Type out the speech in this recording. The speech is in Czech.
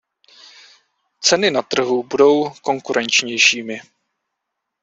Ceny na trhu budou konkurenčnějšími.